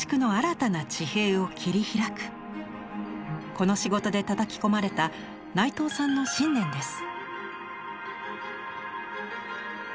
この仕事でたたき込まれた内藤さんの信念です。